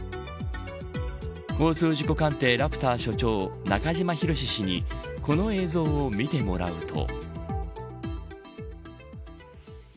交通事故鑑定ラプター所長中島博史氏にこの映像を見てもらうと。